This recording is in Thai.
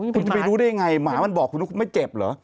คุณจะไปรู้ได้ยังไงหมามันบอกคุณว่าคุณไม่เจ็บเหรอ